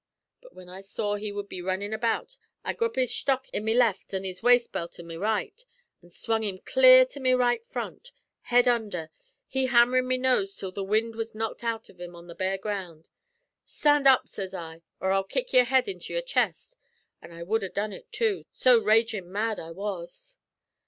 But whin I saw he wud be runnin' about, I grup his shtock in me left an' his waist belt in me right, an' swung him clear to me right front, head undher, he hammerin' me nose till the wind was knocked out av him on the bare ground. 'Stand up,' sez I, 'or I'll kick your head into your chest.' An' I wud ha' done ut, too, so ragin' mad I was.